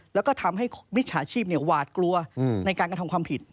แล้วก็ทำให้มิจฉาชีพหวาดกลัวในการกระทำความผิด